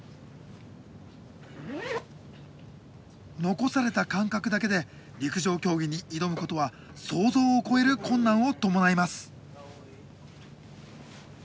残された感覚だけで陸上競技に挑むことは想像を超える困難を伴います。